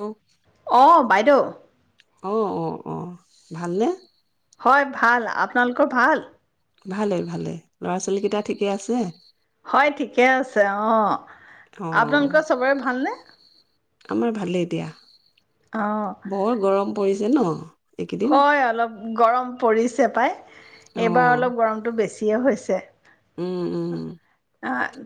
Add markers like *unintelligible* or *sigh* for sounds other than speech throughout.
অ', অ' বাইদেউ। অ', অ', অ', ভালনে? হয় ভাল, আপোনালোকৰ ভাল। ভালে ভালে ল'ৰা ছোৱালী গিতা ঠিকে আছে। হয় ঠিকে আছে অ' অ', আপোনালোকৰ চবৰে ভালনে? আমাৰ ভালেই দিয়া। অঁ বৰ গৰম পৰিছে ন। এইকেইদিন হয় অলপ গৰম পৰিছ চেপাই এইবাৰ অ', অলপ গৰমটো বেছি। তিয় হৈছে। উম, উম। অ'।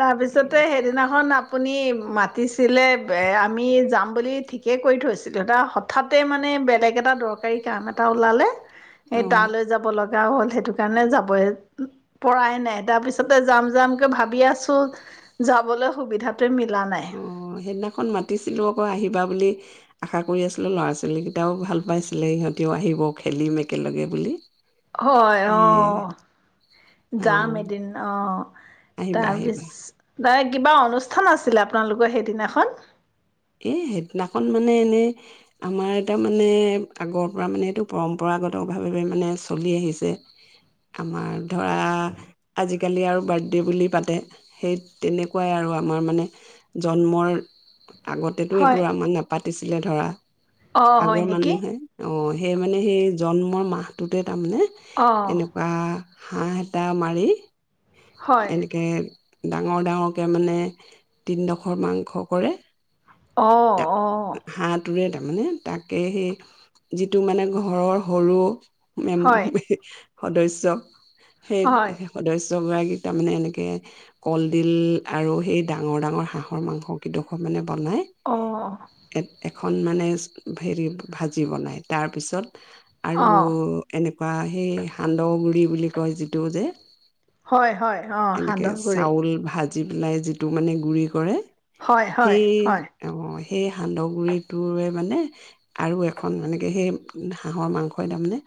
তাৰপিছতে হেইদিনাখন আপ আপুনি মাতিছিলে এয়া আমি যাম বুলি ঠিকেই কৰি থৈছিলো এয়া হঠাতে মানে বেলেগ এটা দৰকাৰী কাম এটা ওলালে। এ অ', তালৈ যাব লগ যাৱ হ'ল হেটো কাৰণে যাবই পৰাই নাই তাৰ পিছত যাম, যাম কে ভাবি আছো যাবলৈ সুবিধা অ', সেইদিনাখন মাতিছিলো আকৌ আহিবা বুলি। আশা কৰি আছিলোঁ ল'ৰা-ছোৱালীগিটাও ভাল পাইছিলে সিহঁতেও আহিব খেলিম একেলগে বুলি। হয় এ অ', যাম অ', এদিন অ', আহিবা আহিবা তাৰপিছ দা কিবা অনুষ্ঠান আছিলে আপোনালোকৰ হেদিনাখন? এই হেদিনাখন মানে এনেই আমাৰ তামানে আগৰ পৰা মানে এইটো পৰম্পৰাগতভাৱে মানে চলি আহিছে আমাৰ ধৰা আজিকালি আৰু বাৰ্থডে বুলি পাতে, সেই তেনেকুৱাই আৰু আমাৰ মানে জন্মৰ আগতেতো হয় এইবোৰ আমাৰ নাপাত তিছিলে ধৰা অ', হয় আগৰ নেকি মানুহে অই' এই মানে সেই জন্মৰ মাহটোতে তাৰমানে, অ', এনেকুৱা হাঁহ এটা মাৰি হয় এনেকে ডাঙৰ ডাঙৰকে মানে তিনিডোখৰ মাংস কৰে অ' অ' মানে তাকে সেই যিটো মানে ঘৰৰ সৰু মেম হয় *unintelligible* সদস্য সেই হয় সে সদস্য জগৰাকী তাৰমানে এনেকে কলডিল আৰু সেই ডাঙৰ ডাঙৰ হাঁহৰ মাংস কেইডোখৰ মানে বনায়। অহ' এখন মানে হেৰি ভাজি বনায়। তাৰপিছত আৰু অঁ এনে বা সেই সান্দহ গুড়ি বুলি কয় যিটো যে হয়, হয়, অ' সান্দহ গুড়ি। যি বিলাকে যিটো মানে গুড়ি কৰে। হয়, হয়, সেই হয়। অ সেই সান্দহ গুড়ি টোৱে মানে আৰু এখন এনেকে সেই হাঁহৰ মাংসই তাৰমানে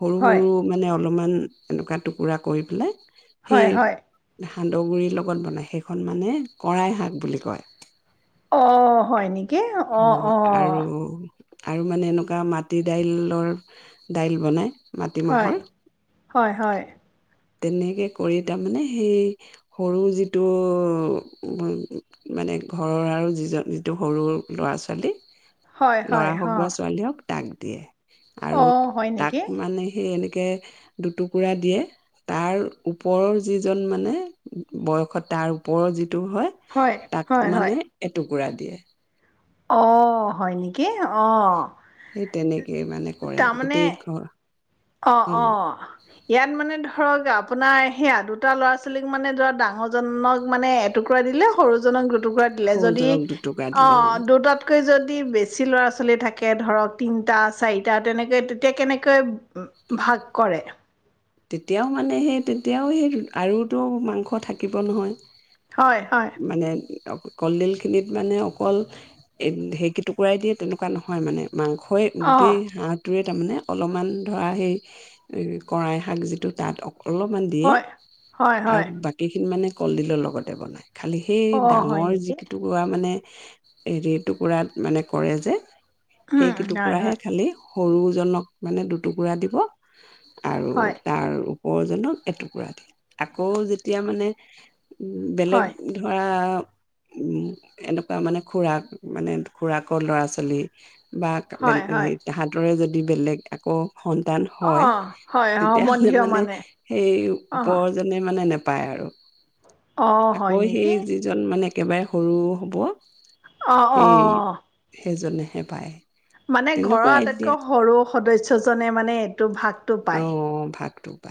সৰু হয় সৰু মানে অলপমান এনেকুৱা টুকুৰা কৰি পেলাই সেই হয় হয় সান্দহগুৰিৰ লগত বনায়, সেইখন মানে কৰাই শাক বুলি কয়। অ' হয় নেকি? কি অ আৰু অ' আৰু মানে এনেকুৱা মাটি দাই-লৰ দাইল বনাই। হয় মাটিমাহৰ হয় হয়। তেনেকে কৰি তাৰমানে সেই সৰু যিটো-মানে ঘৰৰ আৰু যিজন যিটো সৰু ল'ৰা ছোৱালী হয় ল'ৰা হয় হওক বা হ' ছোৱালী হওক তাক দিয়ে। আৰু, তাক নেকি মানে, সেই এনে কে, দুটুকুৰা দিয়ে। তাৰ ওপৰৰ যিজন, মানে বয়সত, তাৰ ওপৰৰ যি এইটোও হয়, তাক মানে, এইটো টুকুৰা দিয়ে। অ', হয় নেকি? অ'। তেনে কে, মানে, কৰে গোটেই ঘৰ অ', অ', ইয়াত মানে ধৰক আপু আপোনাৰ সেয়া দুটা ল'ৰা-ছোৱালীক, মানে, য'ৰা ডাঙৰজনক, মানে, এটুকুৰা দিলে, সৰুজনক দুটুকুৰা দিলে। যদি, সৰুজনক দুটুকুৰা দিলে অ', দুটাতকৈ যদি বেছি বেছি ল'ৰা-ছোৱালী থাকে, ধৰক, তিনটা, চাৰিটা তেনেকে। তেতিয়া কেনেকৈ ভাগ কৰে। তেতিয়াও, মানে, সেই তেতিয়াও সেই আৰুতো মাংস থাকিব নহয়। হয়, হয়। মানে, অ কলডিলখিনিত, মানে, অকল সেইকেইটুকুৰাই দিয়ে, তেনেকুৱা নহয় মানে মাংসই, অ', গোটেই হাঁহটোৱেই তাৰ মানে, অলপমান ধৰা সেই কৰাই শাক যিটো তাত অলপমান দিয়ে। হয়, হয়, আৰু হয়। বাকী খিনি মানে কলডিলৰ লগতে বনায়। খালি সেই অ', হয় ডাঙৰ নেকি? যিকিটুকুৰা, মানে হেৰি টুকুৰাত, মানে, কৰে যে উম, হয়, সেইকেইটুকুৰাহে হয়, খালি সৰুজনক, মানে, দুটুকুৰা দিব। আৰু হয়, আৰু ওপৰজনক এটুকুৰা দি, আকৌ যেতিয়া, মানে বেলেগ হয়, ধৰা উম, এনেকুৱা, মানে, খুৰাক, মানে, খুৰাকৰ ল'ৰা-ছোৱালী হয়, হয়। *unintelligible* সাঁতুৰে যদি বেলেগ আকৌ সন্তান হয়। অ', হয় তেতিয়াহ'লে, সম্বন্ধীয় মানে, সেই অ', ওপৰজনে, মানে, নে পায় আৰু অ', হয় আকৌ, নেকি? সেই যিজন মানেক একেবাৰে সৰু হ'ব। অহ্ অহ্। এ পায়। মানে ঘৰৰ তেনেকুৱা এতিয়া আটাইতকৈ সৰু সদস্যজনে মানে এইটো ভাগটো পায়। *unintelligible* ভাগটো। পায়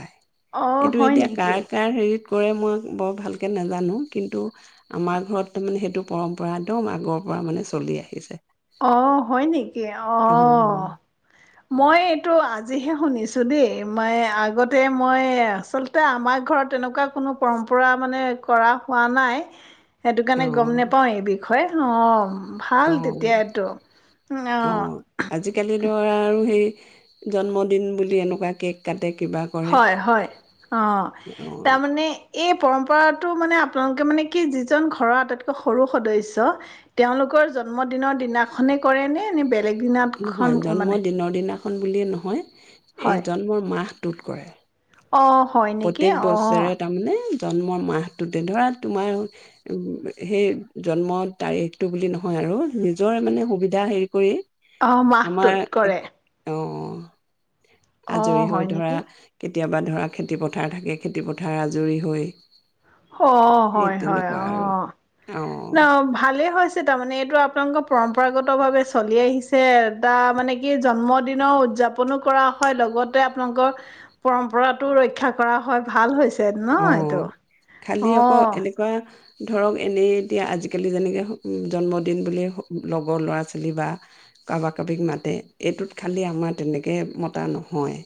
অ', এইটো হয় এতিয়া নেকি? কাৰ কাৰ হেৰিত কৰে, মই বৰ ভালকৈ নাজানো। কিন্তু, আমাৰ ঘৰত তাৰমানে, সেইটো পৰম্পৰাটো ম আগৰ পৰা মানে চলি আহিছে। অ', হয় নেকি? অ' মই এইটো আজিহে শুনিছোঁ দেই। মই আগতে, মই আচলতে আমাৰ ঘৰত তেনেকুৱা কোনো পৰম্পৰা মানে কৰা হোৱা নাই সেইটো অ কাৰণে গম নেপাওঁ এই বি ষয়, অ' ভাল অ তেত অ', আজিকালি ধৰা আৰু সেই জন্মদিন বুলি এনেকুৱা কেক কাট হয়, হয়। অ', অ তাৰ মানে এই পৰম্প পৰাটো মানে আপোনালোকে মানে কি, যিজন ঘৰৰ আটাইতকৈ সৰু সদস্য, তেওঁলোকৰ জন্মদিনৰ দিনাখনে কৰেনে নে বেল লেগ দিনাতখন মানে খন বুলিয়েই নহয় এই হয় জন্মৰ মাহ তুট কৰে। অ', হয় নেকি। প্ৰত্যেক বছৰে অ'। তাৰমানে জন্মৰ মাহটোতে ধৰা। তোমাৰ‌ উম, সেই জন্মৰ তাৰিখটো বুলি নহয় আৰু নিজৰে মানে সুবিধা হেৰি কৰি অহ্, মাহটোত কৰে। উহ্। আজৰি অ', হয় হৈ ধৰা। নেকি কেতি কেতিয়াবা। ধৰাক খেতিপথাৰ থাকে। খেতিপথাৰ আজৰি হৈ অ', সেই হয় হয়, তেনেকুৱা আৰু অহ্, অ ন ভালেই হৈ তাৰমানানে, এইটো আপোনালোকৰ পৰম্পৰাগত ভাৱে চলি আহিছে। এটা মানে কি জন্মদিন‌ও উদ্‌যাপন কৰা হয় লগতে আপোনালোকৰ পৰম্পৰাতটো ৰক্ষা কৰা হয়। ভাল হৈ ছে ন ইটো। খালী আকৌ এনেকুৱা ধৰক, এনেই এতিয়া আজিকালি, যেনেকে জন্মদিন বুলি লগৰ ল'ৰা-ছোৱালী বা কাৰোবাক-কাৰোবীক মাতে। এইটোত খালি আমাৰ তেনেকে মতা নহয়।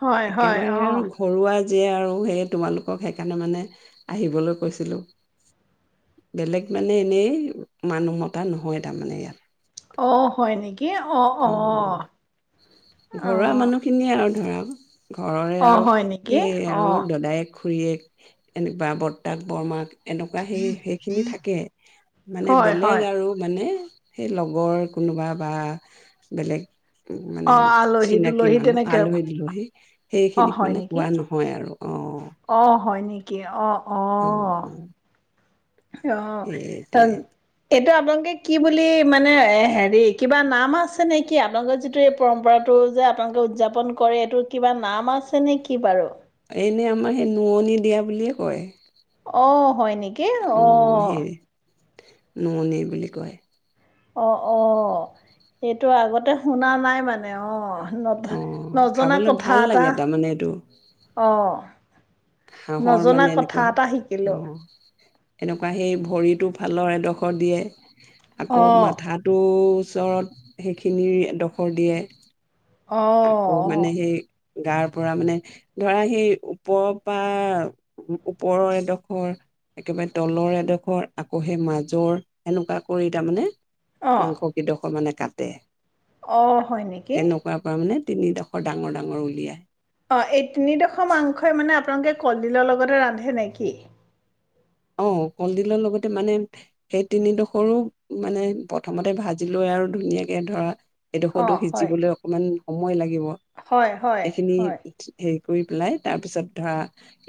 হয় হয় একেবাৰে অ আৰু ঘৰুৱা যিয়ে আৰু সেই, তোমালোকক সেইকাৰণেই, মানে, আহিবলৈ কৈছিলোঁ। বেলেগ, মানে, এনেই মানুহ মতা নহয়। তাৰ মানে, ইয়াত অ' হয় নেকি? এ, অ', অ', ঘৰুৱা অহ মানুহখিনিয়ে *inaudible* ঘৰৰে, আৰু সেই, অ আৰু দদাই খুৰীয়েক, এনেকুৱা বৰতা, বৰমাক। এনেকুৱা, সেই, সেইখিনি থাকে মানে, হয় হয় বেলেগ আৰু, মানে সেই লগৰ, কোনোবা বা বেলেগ মানে, অ আলহী চিনাকি দুলহী মানুহ তেনেকে আলহী-দুলহী, অ সেইখিনিক হয় মানে, নেকি কোৱা নহয় আৰু। অ অ', হয় নেকি? অ'। অ', অ'। সেইটোৱে অ', এইটো আপোনালোকে কি বুলি, মানে এ, হেৰি, কিবা নাম আছে নে কি? আপোনালোকৰ যিটো এই পৰম্পৰাটো যে আপোনালোকে উদযাপন কৰে এইটোৰ কিবা নাম আছে নেকি বাৰু? এনেই, আমাৰ সেই নোৱনি দিয়া বুলিয়েই কয়। অ', হয় নেকি, অ'। নোৱনী বুলি কয়। অ অ সেইটো আগতে শুনা নাই মানে অ ন অ নজনা খাবলৈ কথা ভাল এটা লাগে তাৰমানে এইটো অ হাঁহৰ নজনা মানে কথা এনেকুৱা এটা শিকিলোঁ আহ এনেকুৱা সেই ভৰিতটো ভালৰ এডোখৰ দিয়ে অ আকৌ মাথাাটো ওচৰত সেইখিনিৰ এডোখৰ দিয়ে। অ আকৌ মানে সেই গাৰ পৰা মানে ধৰা সেই ওপৰৰ পৰা, ওপৰৰ এডোখৰ, একেবাৰে তলৰ এডোখৰ আকৌ সেই মাজৰ সেনেকুৱা কৰি তাৰমানে অ অ মাংস কিডোখৰ মানে তাতে অ', হয় নেকি? মানে তিনিডোখৰ ডাঙৰ ডাঙৰ উলিয়াই। অ', এই তিনি ডোখৰ মাংশই মানে আপোনালোকে- কলডিলৰ লগতে ৰান্ধে নেকি? অ কলডিলৰ লগতে মানে সেই তিনিডোখৰো মানে প্ৰথমতে ভাজি লৈ আৰু ধুনীয়াকে ধৰা অ এডোখৰটো হয় সিজিবলে অকমান সময় লাগে। দিব, হয় হয় এইখিনি হয় হে ধুই পেলাই, তাৰপিছত ধৰা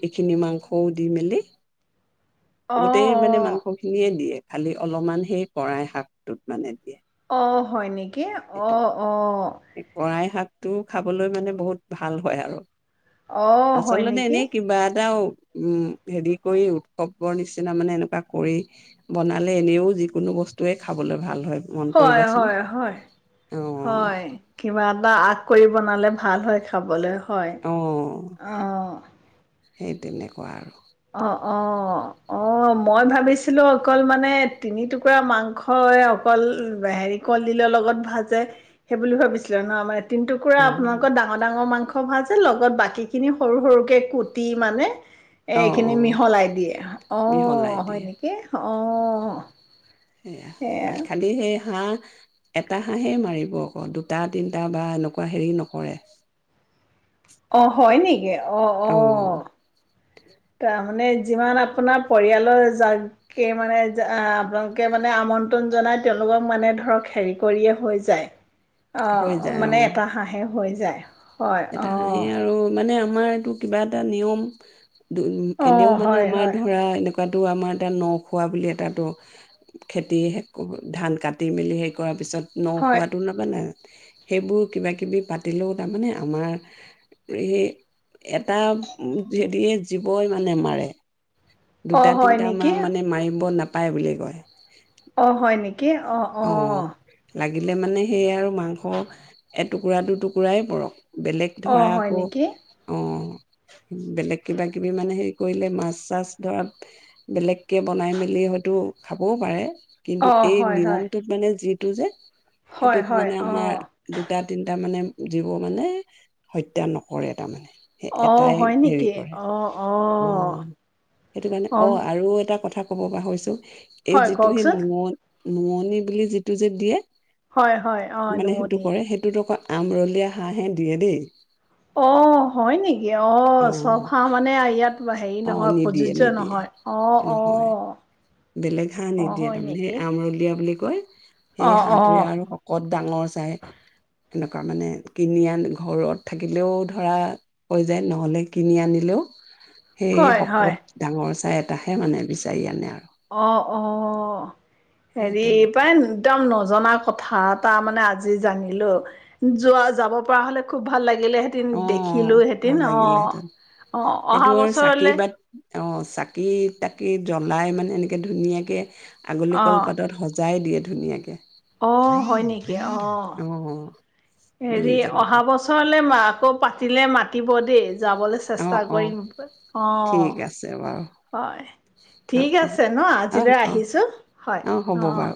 এইখিনি মাংসও দি মেলি অ গোটেই মানে মাংস খিনিয়ে দিয়ে। খালি অলপমান সেই কৰাই শাকটোত মানে দি অ হয় নি কি অঁ অঁ কৰাই শাকটো খাবলৈ মানে বহুত ভাল হয় আৰু। অ হয় আচলতে নেকি এনেই কিবা এটাও উম হেৰি কৰি উৎসৱবৰ নিচিনা মানে এনেকুৱা কৰি বনালে এনেও যিকোনো বস্তুৱয়ে খাবলৈ ভাল হয় মন হয় কৰিবাচোন, হয় হয় অ। হয় কিবা এটা আগ কৰি বনালে ভাল হয় খাবলৈ। হয় অ অঁ সেই তেনেকুৱা আৰু। অ। অ অ মই ভাবিছিলোঁ অকল মানে তিনি টুকুৰা মাংস অকল হেৰি কলডিলৰ লগত ভাজে সেইব ভাবিছিলে নহ মাৰ তিনি টুকুৰা অ আপোনালোকৰ ডাঙৰ ডাঙৰ মাংস ভাজ- লগত বাকী খিনি সৰু সৰুকে কুটি মানে এ অ অ এইখিনি মিহলাই দিয়ে মিহলাই অ', হয় দিয়ে নেকি অ'। সেয়া তাত খালি সেই হাঁহ এটা হাঁহেই মাৰিব আকৌ দুটা তিনিটা বা এনেকুৱা হেৰি নকৰে। অ', হয় নেকি? অ', অ'। মানে যিমান আপোনাৰ পৰিয়ালৰ যাকে মানে আপোনালোকে মানে আমন্ত্ৰণ জনাই তেওঁলোকক মানে ধৰক হেৰি কৰিয়ে হৈ যায হৈ অ', যায় মানে এটা হাঁহে হৈ যায়। হয় এটা হাঁহি অ' আৰু মানে আমাৰ এইটো কিবা এটা নিয়ম দুম অ' এনেও মানে হয় আমাৰ হয় ধৰা এনেক কুকাটো আমাৰ এটা ন' খোৱা বুলি এ তাতো খেতি ধান কাটি মেলি সেই কৰাৰ পিছত ন' হয় খোৱাতো নাপালা। সেইবোৰ কিবা কিবি পাতিলেও তাৰমানে আমাৰ সেই এটা হেৰি জীৱই মানে মাৰে অ' দুটা হয় তিনিটা নেকি? মান মানে মাৰিব নাপাই। নাপায় বুলি কয়। অ', হয় নেক কি অ' অ' লাগিলে মানে সেয়া আৰু মাংস এটুকুৰা দুটুকুৰাই পৰক বেলেগ ধৰা অ' হয় আকৌ নেকি? অ' বেলেগ কিবা কিবি মানে হেৰি কৰিলে মাছ চাছ ধৰা বেলেগকে বনাই মেলি হয়তো খাবও পাৰে, কিন্তু অ এই হয় হয়, নিয়মটোত মানে যিটো যে, হয় সেইটোত হয় মানে আমাৰ অ' দুটা তিনিটা মানে, জীব মানে হত্যা নকৰে তাৰমানে, অ' এটাই হয় হেৰি নেকি? কৰে অ' অ সেইটো কাৰণে অ আৰু এটা কথা, ক'ব পাহৰিছো, এই হয় যিটো সি কওকচোন ন নুৱনি, বুলি যিটো যে দিয়ে, হয় হয় অ মানে সেইটো নুৱনি, কৰে সেইটোত আকৌ আমৰলীয়া হাঁহহে দিয়ে দেই, অ' হয় নেকি অ চব হাহঁ মানে ইয়াত, হেৰি অ নহয় নিদিয়ে প্ৰযোজ্য় নিদিয়ে নহয় অ নহয় অ' বেলেগ হাঁহ অ' নিদিয়ে হয় তাৰমানে সেই নেকি? আমৰলীয়া বুলি কয় সেই অ' হাঁহটোৱে অ' আৰু শকত ডাঙৰ চাই এনেকুৱা মানে কিনি আনি ঘৰত থাকিলেও ধৰা হৈ যায় নহ'লে কিনি আনিলেও সেয়ে হয় হয় শকত ডাঙৰ চাই এটাহে মানে বিচাৰি আনে আৰু। অ', অ'। সেই হেৰি এই তেনেকুৱা পায় একদম নজনা কথা এটা মানে আজি জানিলোঁ যোৱা যাব পৰা হ'লে খুব ভাল লাগিল লাগিলে হেতেঁন অ দেখিলো হেতেঁন ভাল অ', লাগিলেহেঁতেন আহ, সেইটো অহা চাকি বছৰলে বাট অ চাকি তাকি জ্বলাই মানে এনেকে ধুনীয়াকে আগুলি অ', কলপাতত সজাই দিয়ে। ধুনীয়াকে। অ', হয় নেক অ', হেৰি দুয়োজনকে অহা বছৰলৈ আকৌ পাতিলে মাতিব দেই যাবলৈ অ চেষ্টা অ কৰিম ঠিক অ', আছে বাৰু হয় অ ঠিক অ আছে ন' অ আজিলৈ অ আহিছো হয় অ'।